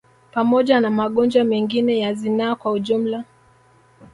Pamoja na magonjwa mengine ya zinaa kwa ujumla